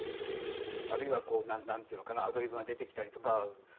あるいは何ていうのかなアドリブが出てきたりとか。